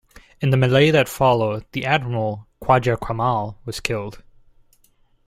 In the melee that followed, the admiral Khwaja Kamal was killed.